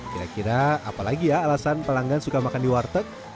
kira kira apalagi ya alasan pelanggan suka makan di warteg